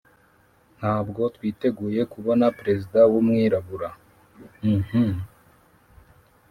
ntabwo twiteguye, kubona perezida w'umwirabura, uh